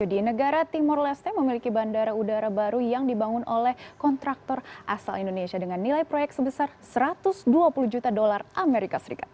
jadi negara timur leste memiliki bandara udara baru yang dibangun oleh kontraktor asal indonesia dengan nilai proyek sebesar satu ratus dua puluh juta dolar amerika serikat